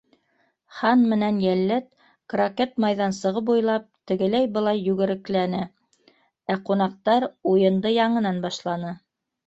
Хан менән йәлләт крокет майҙансығы буйлап тегеләй-былай йүгерекләне, ә ҡунаҡтар уйынды яңынан башланы.